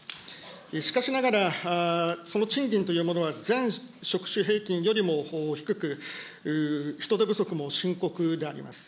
しかしながら、その賃金というものは、全職種平均よりも低く、人手不足も深刻であります。